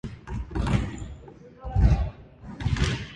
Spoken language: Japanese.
群馬県邑楽町